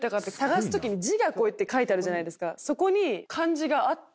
そこに漢字があって。